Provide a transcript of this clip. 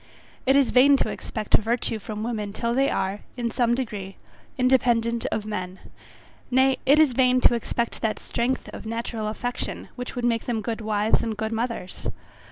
It is vain to expect virtue from women till they are, in some degree, independent of men; nay, it is vain to expect that strength of natural affection, which would make them good wives and good mothers.